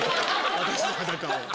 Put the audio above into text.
私の裸を。